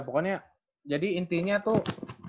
pokoknya jadi intinya tuh